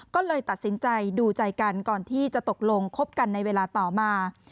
ก็เลยตัดสินใจดูใจกันก่อนที่จะตกลงคบกันในเวลาต่อมา